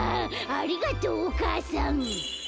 ありがとうお母さん」。